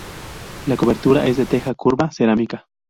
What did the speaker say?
La cobertura es de teja curva cerámica.